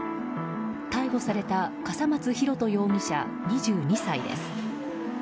逮捕された笠松大翔容疑者、２２歳です。